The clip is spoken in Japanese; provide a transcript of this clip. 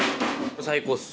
最高っす。